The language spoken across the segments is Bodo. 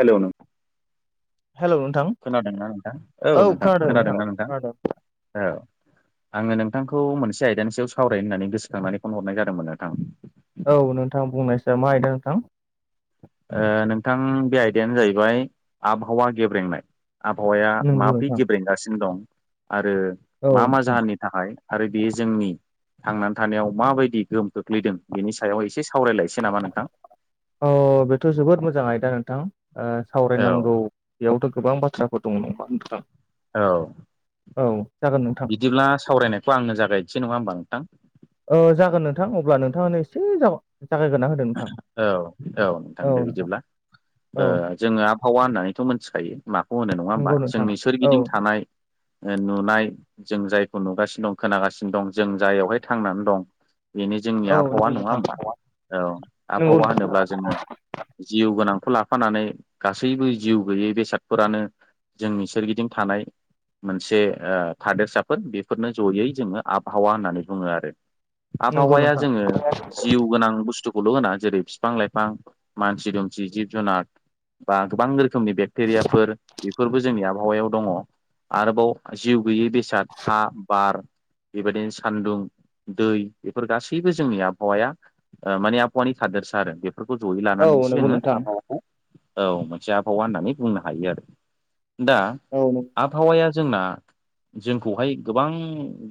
हेल' नों हेलौ? खोनादोंना नोंथां? औ नोंथां खोनादोंना नोंथां? औ! आङो नोंथांखौ मोनसे आयदानि सायाव सावरायनो होननानै गोसोखांनानै फन हरनाय जादोंमोन नोंथां। औ नोंथां बुंनायसो मा आयदा नोंथां? ओ नोंथां बे आयदायानो जाहैबाय आबहावा गेब्रेंनाय। आबहावाया नंगौ माब्रै नोंथां गेब्रेंगासिनो दं आरो औ मा मा नोंथां जाहोननि थाखाय आरो बेयो जोंनि थांनानै थानायाव माबायदि गोहोम खोख्लैदों, बेनि सायाव एसे सावरायलायसै नामा नोंथां? अ बेथ' जोबोद मोजां आयदा नोंथां, ओ औ सावरायनांगौ बेयावथ' गोबां बाथ्राफोर दङ' नङा नोंथां। औ। औ जागोन नोंथां। बिदिब्ला सावरायनायखौ आंनो जागायनोसै, नङा होमबा नोंथां? ओ जागोन नोंथां। अब्ला नोंथाङानो एसे जाग-जागायगोरना होदो। नोंथां औ-औ नोंथां दो बिदिब्ला। औ ओ जोङो आबहावा होननानैथ' मोनथिखायो माखौ होनो नङा नंगौ होमबा। नोंथां जोंनि औ सोरगिदिं थानाय नुनाय जों जायखौ नुगासिनो दं खोनागासिनो दं जों जाययावहाय थांनानै दं बेनो जोंनि औ आबहावा नंगौ नङा नोंथां होमबा? औ नंगौ आबहावा नोंथां होनोब्ला जों जिउ गोनांखौ लाफानानै गासैबो जिउ गैयै बेसादफोरानो जोंनि सोरगिदिं थानाय मोनसे ओ थादेरसाफोर बेफोरनो जयै जोङो आबहावा होननानै बुङो आरो। नंगौ आबहावाया नोंथां जोङो जिउ गोनां बुसथु बुस्थुखौल' होना जेरै फिफां लाइफां, मानसि दुमसि, जिब जुनार बा गोबां रोखोमनि बेक्टेरियाफोर बेफोरबो जोंनि आबहावायाव दङ'। आरोबाव जिउ गैयि बेसाद हा, बार बेबायदिनो सान्दुं दै बेफोर गासैबो जोंनि आबहावाया ओ माने आबहावानि थादोरसा आरो। बेफोरखौ ज'यै औ लानानैसो नंगौ जोङो नोंथां आबहावाखौ औ, मोनसे आबहावा होननानै बुंनो हायो आरो। दा औ न आबहावाया जोंना जोंखौहाय गोबां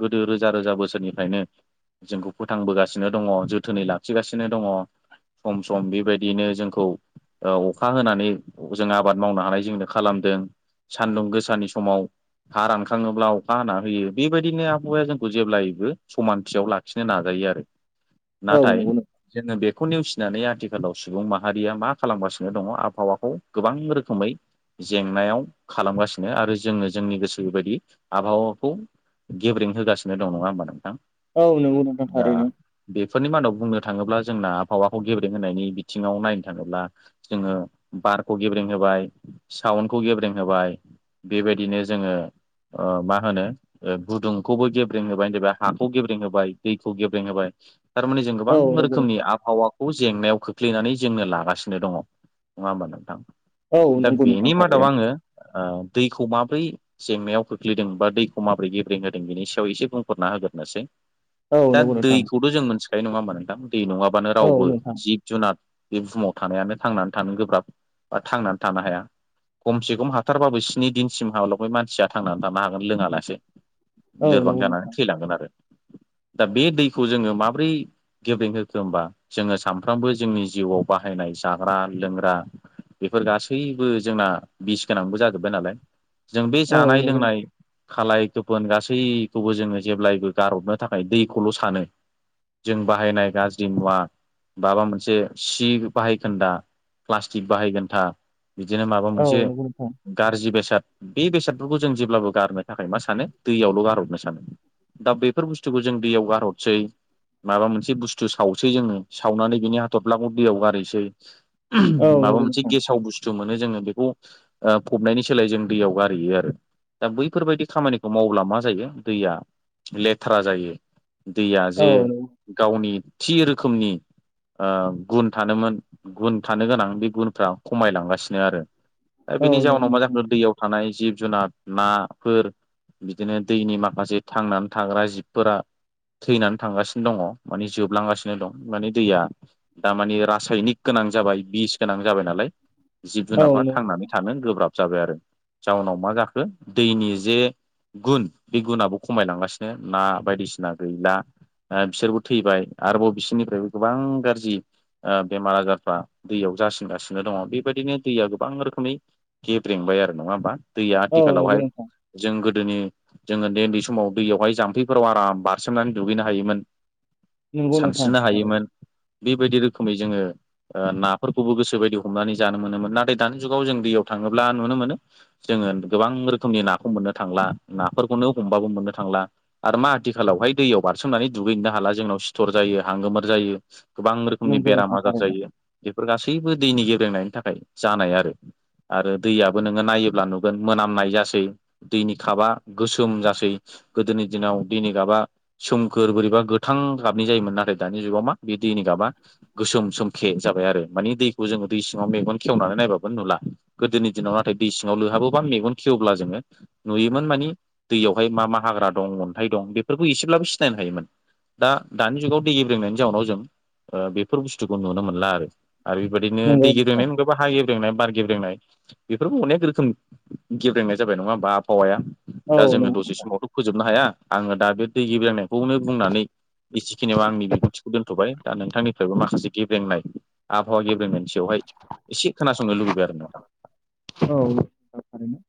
गोदो रोजा रोजा बोसोरनिफ्रायनो जोंखौ फोथांबोगासिनो दङ', जोथोनै लाखिगासिनो दङ'। सम सम बेबायदियैनो जोंखौ ओ अखा होनानै जों आबाद मावनो हानाय जोंनो खालामदों। सान्दुं गोसानि समाव हा रानखाङोब्ला अखा हाना होयो। बेबायदिनो आबहावाया जोंखौ जेब्लायबो समानथियाव लाखिनो नाजायो आरो। औ नाथाय नंगौ नोंथां जोङो बेखौ नेवसिनानै आथिखालाव सुबुं माहारिया मा खालामगासिनो दङ' आबहावाखौ गोबां रोखोमै जेंनायाव खालामगासिनो। आरो जोङो जोंनि गोसो बायदि आबहावाखौ गेब्रें होगासिनो दं। नङा होमबा नोंथां? औ नोंगौ नोंथां दा थारैनो। बेफोरनि मादाव बुंनो थाङोब्ला जोंना आबहावाखौ गेब्रेंहोनायनि बिथिङाव नायनो थाङोब्ला जोङो बारखौ गेब्रें होबाय, साउन्दखौ गेब्रें होबाय। बेबायदिनो जोङो ओ मा होनो ओ गुदुंखौबो गेब्रें होबाय, देबा हाखौ गेब्रें होबाय, दैखौ गेब्रें होबाय थारमाने जों औ बां नंगौ रोखोमनि नोंथां आबहावाखौ जेंनायाव खोख्लैनानै जोंनो लागासिनो दङ'। नङा होमबा नोंथां? औ दा नंगौ नोंथां बेनि मादाव थारैनो आङो ओ दैखौ माबोरै जेंनायाव खोख्लैदों बा दैखौ माबोरै गेब्रें होदों बेनि सायाव एसे बुंफोरना होग्रोनोसै। औ दा नंगौ नोंथां दैखौथ' जों मोनथिखायो। नङा होमबा नोंथां? दै नङाबानो औ रावबो नोंथां जिब जुनाद बे बुहुमाव थानायानो थांनानै थानो गोब्राब बा थांनानै थानो हाया। खमसे खम हाथारबाबो स्नि दिनसिम हाल'गै मानसिया थांनानै थानो हागोन लोङालासे। औ लोरबां नंगौ जानानै नोंथां थैलांगोन आरो। दा बे दैखौ जोङो माब्रै गेब्रेेंहोखो होमबा जोङो सानफ्रामबो जोंनि जिउआव बाहायनाय जाग्रा लोंग्रा बेफोर गासैबो जोंना बिस गोनांबो जाजोबबाय नालाय। जों बे औ जानाय नंगौ लोंनाय खालाय गोफोन गासैखौबो जोङो जेब्लायबो गारहरनो थाखाय दैखौल' सानो। जों बाहायनाय गाज्रि मुवा माबा मोनसे सि बाहायखोन्दा प्लास्टिक बाहायखोनथा बिदिनो माबा मोनसे नोंथां गाज्रि बेसाद बे बेसादफोरखौ जों जेब्लाबो गारनो थाखाय मा सानो दैयावल' गारहरनो सानो दा बेफोर बुस्थुखौ जों दैयाव गारहरसै माबा मोनसे बुस्थु सावसै जोङो सावनानै बिनि हाथर्लाङाव दैयाव गारैसै ओम औ माबा नंगौ मोनसे नोंथां गेसाव बुस्थु मोनो जोङो बेखौ ओ फबनायनि सोलाय जों दैयाव गारहैयो आरो दा बैफोरबायदि खामानिखौ मावब्ला मा जायो दैया लेथ्रा जायो दैया औ जे गावनि थि रोखोमनि ओ गुन थानोमोन गुन थानो गोनां बे गुनफ्रा खमायलांगासिनो आरो। दा बेनि नंगौ जाउनाव मा नोंथां जाखो दैयाव थानाय जिब जुनार नाफोर बिदिनो दैनि माखासे थांनानै थाग्रा जिबफोरा थैनानै थांगासिनो दङ' माने जोबलांगासिनो दं। माने दैया दा माने रासायनिक गोनां जाबाय, बिस गोनां जाबाय नालाय जिब औ जुनारा नंगौ थांनानै थानो गोब्राब जाबाय आरो। जाउनाव मा जाखो दैनि जे गुन बे गुनआबो खमायलांगासिनो ना बायदिसिना गैला। ओ बिसोरबो थैबाय आरोबाव बिसोरनिफ्रायबो गोबां गाज्रि ओ बेमार आजारफ्रा दैयाव जासिनगासिनो दङ बेबायदिनो दैया गोबां रोखोमै गेब्रेंबाय आरो नङा होमबा दैया औ नंगौ आथिखालावहाय नोंथां जों गोदोनि जों उन्दै उन्दै समाव दैयावहाय जाम्फैफोराव आराम बारसोमनानै दुगैनो हायोमोन। औ नंगौ औ नंगौ नोंथां सानस्रिनो हायोमोन बेबायदि रोखोमै जोङो। ओ नाफोरखौबो गोसो बायदि हमनानै जानो मोनोमोन नाथाय दानि जुगाव जों दैयाव थाङोब्ला नुनो मोनो। जोङो गोबां रोखोमनि नाखौ मोननो थांला नाफोरखौनो हमबाबो मोननो थांला। आरो मा आथिखालावहाय दैयाव बारसोमनानै दुगैनोबो हाला जोंनाव सिथर जायो, हांगोमोर जायो, गोबां रोखोमनि नंगौ बेराम नोंथां आजार थारैनो जायो। बेफोर गासैबो दैनि गेब्रेंनायनि थाखाय जानाय आरो आरो दैयाबो नोङो नायोब्ला नुगोन मोनामनाय जासै। दैनि काबा गोसोम जासै गोदोनि दिनाव दैनि गाबा सोम गोर-बोरैबा गोथां गाबनि जायोमोन नाथाय दानि जुगाव मा बे दैनि गाबा गोसोम सोमखे जाबाय आरो माने दैखौ जोङो दै सिङाव मेगन खेवनानै नायबाबो नुला। गोदोनि दिनाव नाथाय दै सिङाव लोहाबोबा मेगन खेवब्ला जोङो नुयोमोन मानि दैयावहाय मा मा हाग्रा दं, अन्थाइ दं, बेफोरखौ एसेब्लाबो सिनायनो हायोमोन। दा दानि जुगाव दै गेब्रंनायनि जाउनाव जों ओं बेफोर बुस्थुखौ नुनो मोनला आरो। आरो बेबबायदिनो नंगौ दै नोंथां थारैनो नंगौ गेब्रेंनाय हा गेब्रेंनाय, बार गेब्रेंनाय, बेफोरबो अनेक रोखोम गेब्रेंनाय जाबाय नङा होमा आबहावाया? नोंथां औ दा जोङो दसे नंगौ समावथ' फोजोबनो हाया आङो दा बे दै गिब्रेंनाय खौनो बुंनानै बिसेखिनियाव आंनि बिबुंथिखौ दोनथ'बाय। दा नोंथांनिफ्रायबो माखासे गेब्रेंनाय आबहावा गेब्रेंनायनि सायावहाय एसे खोनासंनो लुुबैबाय आरो नोंथां। औ थारैनो।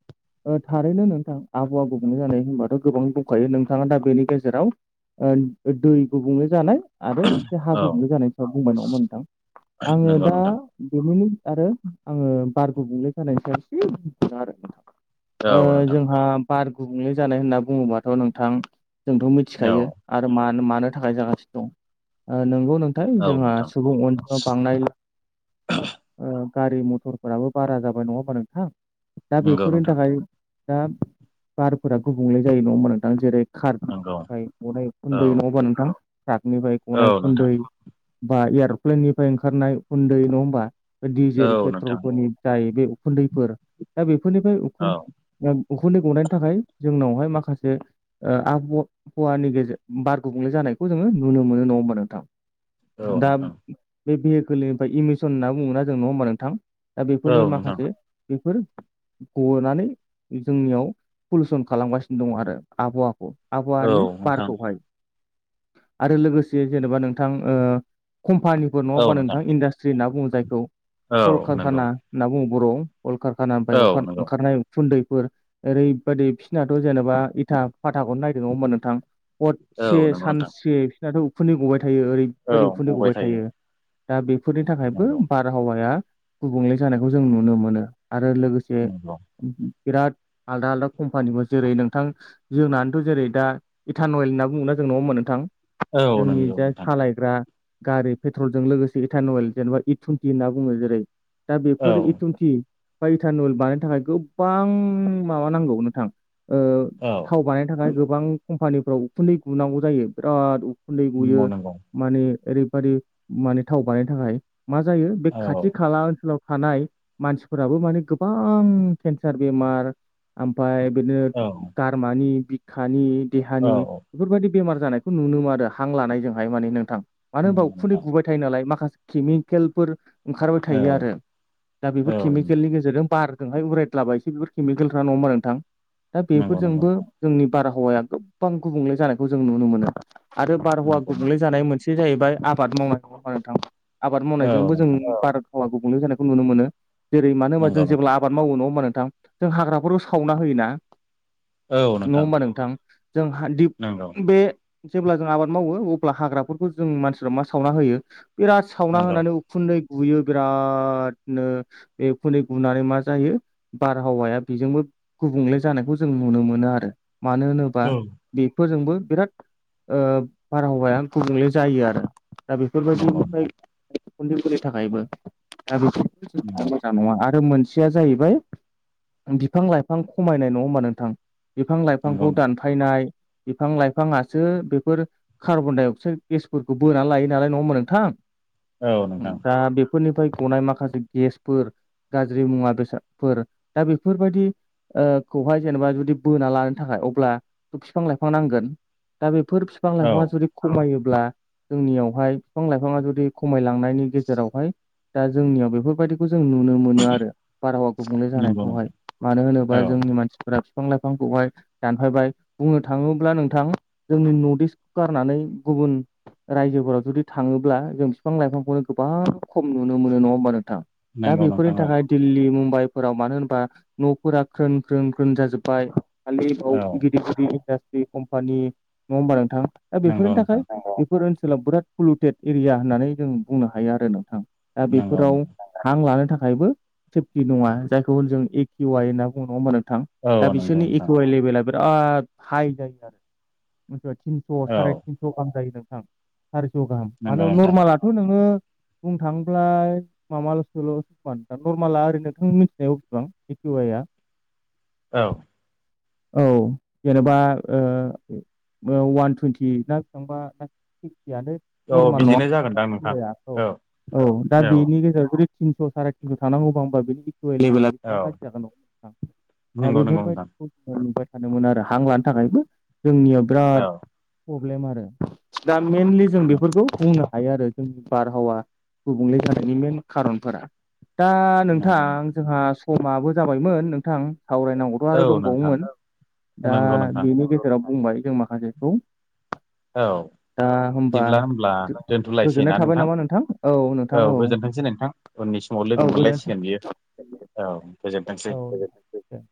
ओं थारैनो नोंथां आबहावा गुबुंनाय होननानै होनबाथ' गोबां दंखायो नोंथाङा दा बेनि गेजेराव ओं दै गुबुंले जानाय, आरो एसे हा नोंथां गुबुंले औ जानायनि सायाव बुंबाय नङा होमबा नोंथां आङो नंगौ दा नोंथां बेनिनो आरो आङो बार‌ गुबुंले जानायनि सायाव एसे बुंनोसै आरो औ नोंथां। ओं नोंथां जोंहा बार गुबुंले जानाय होनना बुङोबाथ' नोंथां जोंथ' औ मिथिखायो। आरो मानो मानो थाखाय जागासिनो दं ओं नंगौ नोंथां औ जोंहा नोंथां सुबुं अनजिमा बांनाय ओं गारि मथरफोराबो बारा जाबाय नङा होमबा नोंथां? दा नंगौ बेफोरनि नोंथां थाखाय दा बारफोरा गुबुंले जायो नङा होमबा नोंथां जेरै नंगौ कारनिफ्राय गनाय औ उखुन्दै नङाबा नोंथां ट्राकनिफ्राय औ गनाय नोंथां उखुन्दै, बा एयर'प्लेननिफ्राय ओंखारनाय उखुन्दै नङा होमबा औ डिजेल नोंथां पेट्रलफोरनिफ्राय बे उखुन्दैफोर दा बेफोरनिफ्राय औ उखुन्द उखुन्दै गनायनि थाखाय जोंनावहाय माखासे ओं आबहावा-हावानि गेजेर बार गुबुंले जानायखौ जोङो नुनो मोनो नङा होमबा नोंथां। औ दा नोंथां बे भेहिकोलनिफ्राय इमिसन होनना बुङोबा जों नङा होमबा नोंथां? दा औ बेफोरनिबो नोंथां माखासे बेफोर गनानै जोंनियाव पलुसन खालामगासिनो दं आरो आबहावाखौ। औ आबहावानि नोंथां बारखौहाय। आरो लोगोसे जेनेबा नोंथां ओ कम्पानिफोर नङा होनबा नोंथां इंडास्ट्रि होनना बुङो जायखौ औ कल नंगौ कारखाना होनना बुङो बर'आव कल कारखानानिफ्राय औ नंगौ ओंखारनाय उखुन्दैफोर ओरैबादि बिसिनाथ' जेनेबा इथा फाथाखौनो नाय होमबा नोंथां औ हरसे नंगौ नोंथां सानसे बिसोरनाथ' उखुै गबाय थायो ओरै बादि उखुन्दै गबाय थायो दा बेफोरनि थाखायबो नंगौ बारहावाया गुबुंले जानायखौ जों नुनो मोनो आरो लोगोसे नंगौ बिराद आलदा आलदा कम्पानिबो जेरै नोंथां जोंनानोथ' जेरै दा इटान अइेल होनना बुङोना जों नंङा होमबा नोंथां औ जोंनि नंगौ जा नोंथां सालाय सालायग्रा गारि पेट्रलजों लोगोसे इटानयेल जेनेबा इ-टुइनटि होनना बुङो जेरै दा औ बेफोर थुुनथि बा इटानुवेल बानायनो थाखाय गोबां माबा नांगौ नोंथां ओ औ। व बानायनो थाखाय गोबां कम्पानिफ्राव उखुन्दै गुनांगौ जायो बिराद उखुन्दै गुयो। नंगौ नंगौ माने ओरैबादि माने थाव बानायनो थाखाय मा जायो बे खाथि औ खाला ओनसोलाव हानाय मानसिफोराबो माने गोबां केन्सार बेमार ओमफ्राय बिदिनो औ गारमानि बिखानि औ देहानि बेफोरबायदि बेमार जानायखौ नुनो मोनो आरो हां लानायजोंहाय माने नोंथां मानो होनबा नंगौ उखुन्दैनि नोंथां गु फो थाइ नालाय माखासे केमिकेलफोर ओंखारबाय औ थायो आरो। दा औ बेफोर केमिकेलनि गेजेरजों बारजोंहाय उरायदलाबायसै बेफोर केमिकेलफ्रा नङा होमबा नोंथां? दा नंगौ नंगौ बेफोरजोंबो नोंथां जोंनि बारहावाया गोबां गुबुंले जानायखौ जों नुनो मोनो। आरो बारहावा नंगौ गुबुंले नोंथां जानाय मोनसे जाहैबाय आबाद मावनाय नङा होनबा नोंथां। आबाद औ मावनायजोंबो जों नोंथां भारत हावा गुबुंले जानायखौ नुनो मोनो जेरै मानो होनबा नंगौ जों नोंथां जेब्ला आबाद मावो नङा होमबा नोंथां जों हाग्राफोरखौ सावना होयोना नङा होमबा नोंथां। जों हादि नंगौ। बे जेब्ला जों आबाद मावो अब्ला हाग्राफोरखौ जों मानसिफ्रा मा सावना होयो बेराद सावना नंगौ होनानै उखुन्दै गुयो बिराद नो बेउखुन्दै गुनानै मा जायो बारहावाया बेजोंबो गुबुंले जानायखौ जों नुनो मोनो आरो मानो होनोब्ला बा औ बेफोरजोंबो बिराद ओ बारहावाया गुबुंले जायो आरो। दा नंगौ बेफोरबायदिनिफ्राय नोंथां उखुन्दै फोरनि थाखायबो दा बेखौ नंगौ मोजां नङा आरो मोनसे जाहैबाय बिफां - लाइफां खमायनाय नङा होमबा नोंथां बिफां नंगौ लाइफांखौ नोंथां दान फायनाय बिफां लाइफाङासो बेफोर कार्बन -डाइ -अक्साइड गेसफोरखौ बोनानै लायो नालाय नङाहोनबा नोंथां। औ नोंथां दा बेफोरनिफ्राय गनाय माखासे गेसफोर गाज्रि मुवा बेसादफोर दा बेफोरबायदि ओ खौहाय जेनेबा जुदि बोना लानो थाखाय अब्ला बिफां लाइफां नांगोन दा बेफोर फिफां - औ लाइफां जुदि खमायोब्ला जोंनियावहाय बिफां -लाइफाङा जुदि खमायलांनायनि गेजेरावहाय दा जोंनियाव बेफोर जों नुनो मोनो आरो बारहावा गुबुंले नंगौ जानायखौहाय नोंथां मानो होनोबा औ जोंनि मानसिफ्रा फां लाइफांखौहाय दानफायबाय। बुंनो थाङोब्ला नोंथां जोंनि नर्थ इस्टखौ गारनानै गुबुन रायजोफोराव जुदि थाङोब्ला जों फिफां लाइफांखौनो गोबां खम नुनो मोनो, नङा होमबा नोंथां? दा नंगौ बेफोरनि नोंथां थाखाय औ दिल्ली मुम्बाइफोराव मानो होनबा न'फोरा ख्रोन ख्रोन ख्रोन जाजोब्बाय। खालि बाव औ गिदि गिदि इन्डास्ट्रि कम्पानि नङा होमबा नोंथां? दा नंगौ बेफोरनि थाखाय नोंथां बेफोर ओनसोलाव बिराद पलुटेड एरिया होननानै जों बुंनो हायो आरो नोंथां। दा नंगौ बेफोराव नोंथां हां लानो थाखायबो सेफटि नङा, जायखौ जों एकि वाइ होनना बुंङो नङा होमबा नोंथां? औ दा नंगौ बिसोरनि नोंथां इकुवेल लेभेला बिराद हाइ जायो आरो मिथि थिनस' औ साराय तिनस' गाहाम जायो नोंथां। सारिस' गाहाम नंगौ मानो नोंथां नरमालाथ' नोङो बुंनो थाङोब्ला माबाल'सोल' दा नरमाला ओरैनोथ मिथिनायाव बिसेबां ए पउइ आ औ। औ जेनेबा ओ वान टुवन्टि ना बेसेबां बा यानो औ नरमाल बिदिनो जागोनदां नोंथां नङा औ औ दा औ बेनि गेजेराव जुदि थिस' सारि थिनस' थांनांगौबा होमबा बेनि इथु एलेबेल औ बेसेबां गाज्रि जागोन दा नंगौ नंगौ नोंथां बेफोरबायदि नुबाय थादोंमोन आरो हां लानो थाखायबो जोंनियाव बिराद औ प्रब्लेम आरो दा मेनलि जों बेफोरखौ बुंनो हायो आरो। जोंनि बारहावा गुबुंले जानायनि मेन खारनफोरा दा नोंथां नंगौ जोंहा समाबो जाबायमोन नोंथां सावरायनांगौथ' औ आरो दं नोंथां बावमोन दा नंगौ नोंथां बेनि गेजेराव बुंबाय जों माखासेखौ। औ। दा होमबा बिदिब्ला होमब्ला दोनथ'लायसै गोजोननाय ना थाबाय नोंथां? नामा नोंथां औ गोजोनथोंसै नोंथां। उननि समाव लोगो औ मोनलायसिगोन बियो औ गोजोनथोंसै। [unintelligible]